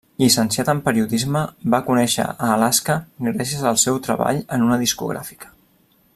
Llicenciat en periodisme, va conèixer a Alaska gràcies al seu treball en una discogràfica.